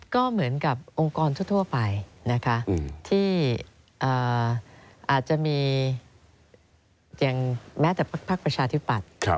ก็เหมือนกับองค์กรทั่วไปที่อาจจะมีแม้แต่ภาคประชาธิบัติ